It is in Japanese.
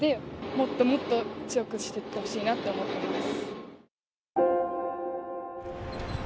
もっともっと強くしていってほしいなと思っています。